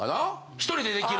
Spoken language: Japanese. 一人でできる。